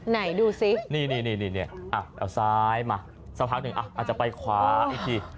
ไหนดูสินี่เอาซ้ายมาสักพักหนึ่งอาจจะไปขวาอีกที